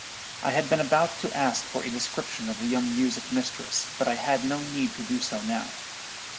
"I had been about to ask for a description of the young music mistress, but I had no need to do so now.